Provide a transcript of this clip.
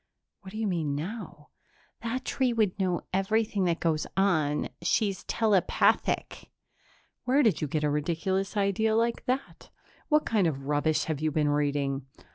"What do you mean now?" "That tree would know everything that goes on. She's telepathic." "Where did you get a ridiculous idea like that? What kind of rubbish have you been reading?"